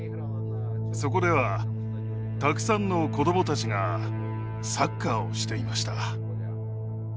そこではたくさんの子どもたちがサッカーをしていました。